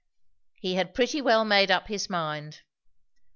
He had pretty well made up his mind.